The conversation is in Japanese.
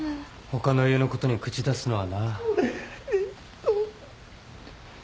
ほかの家のことに口出すのはな。